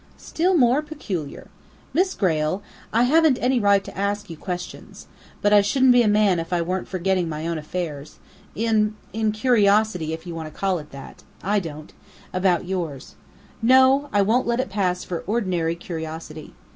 "Still more peculiar! Miss Grayle, I haven't any right to ask you questions. But I shouldn't be a man if I weren't forgetting my own affairs in in curiosity, if you want to call it that (I don't!), about yours. No! I won't let it pass for ordinary curiosity.